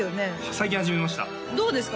最近始めましたどうですか？